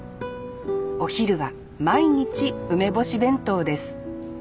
お昼は毎日梅干し弁当です